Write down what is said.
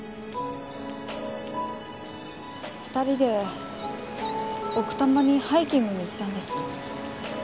２人で奥多摩にハイキングに行ったんです。